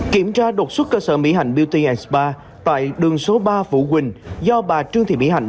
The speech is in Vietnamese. kiểm tra đột xuất cơ sở mỹ hạnh beauty and spa tại đường số ba vũ quỳnh do bà trương thị mỹ hạnh